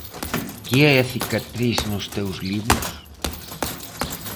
Que é a cicatriz nos teus libros?